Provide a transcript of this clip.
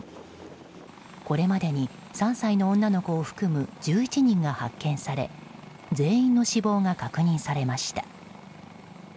これまでに３歳の女の子を含む１１人が発見され全員の死亡が確認されました。